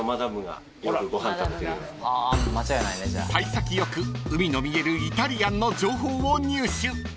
［幸先よく海の見えるイタリアンの情報を入手］